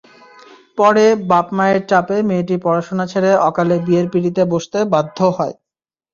পরে বাবা-মায়ের চাপে মেয়েটি পড়াশোনা ছেড়ে অকালে বিয়ের পিঁড়িতে বসতে বাধ্য হয়।